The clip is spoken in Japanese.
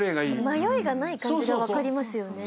迷いがない感じが分かりますよね。